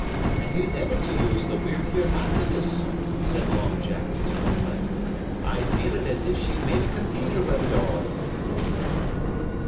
"And who's ever to use the We're Here after this?" said Long Jack to Tom Platt. "I feel as if she'd made a cathedral av ut all."